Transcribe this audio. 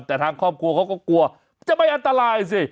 แต่ทางครอบครัวเขาก็กลัวจะไม่อันตรายสิ